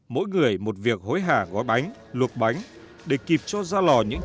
mỗi người một việc hối hả gói bánh luộc bánh